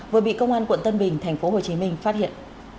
vừa bị công an quận tân bình thành phố hồ chí minh phát hiện